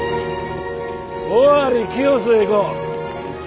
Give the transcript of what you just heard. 尾張清須へ行こう。